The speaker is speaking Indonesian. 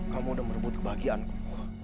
kamu udah merebut kebahagiaanku